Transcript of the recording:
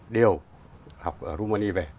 đều học ở jumani về